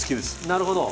なるほど。